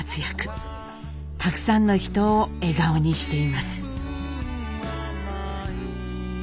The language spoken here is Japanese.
たくさんの人を笑顔にしています。